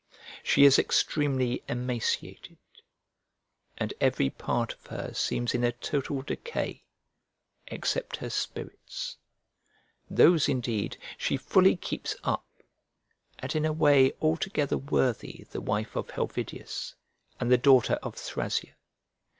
She is extremely emaciated, and every part of her seems in a total decay except her spirits: those, indeed, she fully keeps up; and in a way altogether worthy the wife of Helvidius, and the daughter of Thrasea.